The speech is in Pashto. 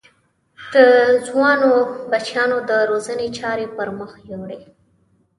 د ځوانو بچیانو د روزنې چارې پر مخ ویوړې.